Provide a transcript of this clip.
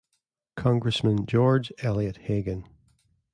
Congressman George Elliott Hagan.